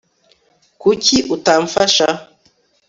kuki utamfasha